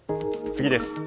次です。